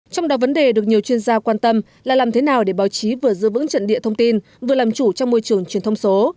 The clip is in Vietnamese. trong đó vấn đề được nhiều chuyên gia quan tâm là làm thế nào để báo chí vừa giữ vững trận địa thông tin vừa làm chủ trong môi trường truyền thông số